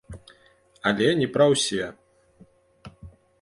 Але не пра ўсе.